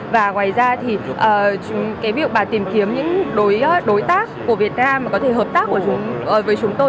và ngoài ra việc tìm kiếm những đối tác của việt nam có thể hợp tác với chúng tôi